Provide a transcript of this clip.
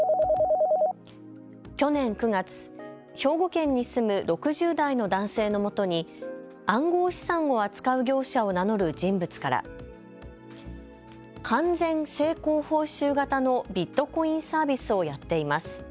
去年９月、兵庫県に住む６０代の男性のもとに暗号資産を扱う業者を名乗る人物から完全成功報酬型のビットコインサービスをやっています。